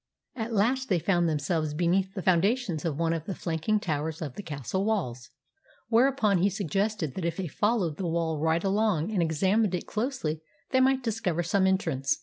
At last they found themselves beneath the foundations of one of the flanking towers of the castle walls, whereupon he suggested that if they followed the wall right along and examined it closely they might discover some entrance.